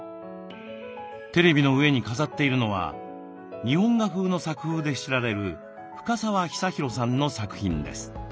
テレビの上に飾っているのは日本画風の作風で知られる深沢尚宏さんの作品です。